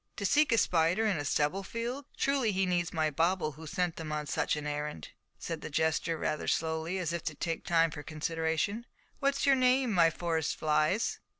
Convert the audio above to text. "To seek a spider in a stubble field! Truly he needs my bauble who sent them on such an errand," said the jester, rather slowly, as if to take time for consideration. "What's your name, my Forest flies?"